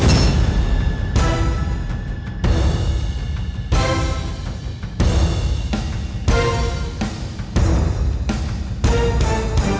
udah ke sana